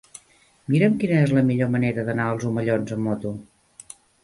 Mira'm quina és la millor manera d'anar als Omellons amb moto.